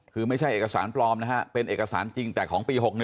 คือไม่ใช่เอกสารปลอมนะฮะเป็นเอกสารจริงแต่ของปี๖๑